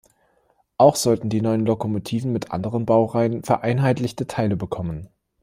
Auch sollten die neuen Lokomotiven mit anderen Baureihen vereinheitlichte Teile bekommen.